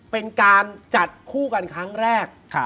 เป็นการจัดคู่กันครั้งแรก